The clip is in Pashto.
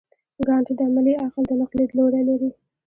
کانټ د عملي عقل د نقد لیدلوری لري.